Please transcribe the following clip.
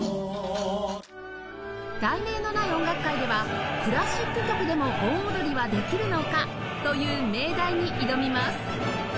『題名のない音楽会』では「クラシック曲でも盆踊りはできるのか？」という命題に挑みます